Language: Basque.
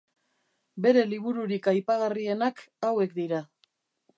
Bere libururik aipagarrienak hauek dira.